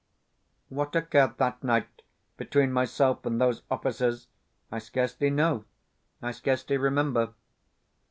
What occurred that night between myself and those officers I scarcely know, I scarcely remember.